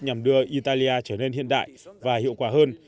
nhằm đưa italia trở nên hiện đại và hiệu quả hơn